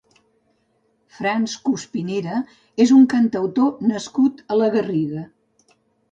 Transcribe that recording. Frans Cuspinera és un cantautor nascut a la Garriga.